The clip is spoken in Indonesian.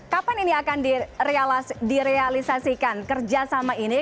kapan ini akan direalisasikan kerjasama ini